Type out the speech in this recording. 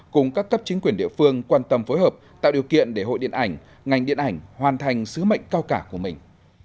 cùng các cấp chính quyền địa phương quan tâm phối hợp tạo điều kiện để hội điện ảnh ngành điện ảnh hoàn thành sứ mệnh cao cả của mình